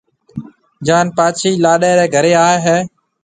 جان پاڇِي لاڏَي رَي گھرَي آئيَ ھيََََ